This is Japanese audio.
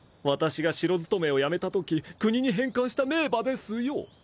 私が城勤めを辞めたとき国に返還した名馬ですよ